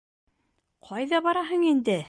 — Ҡайҙа бараһың инде?